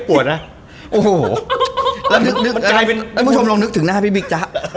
ประโยชน์ลองนึกถึงหน้าพี่บิ๊กจ๊ะ